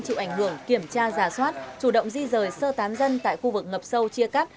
chịu ảnh hưởng kiểm tra giả soát chủ động di rời sơ tán dân tại khu vực ngập sâu chia cắt